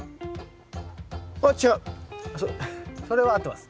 そそれは合ってます。